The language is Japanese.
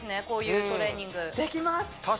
こういうトレーニングできます・